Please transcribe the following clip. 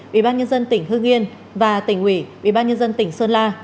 ủy ban nhân dân tỉnh hương yên và tỉnh ủy ủy ban nhân dân tỉnh sơn la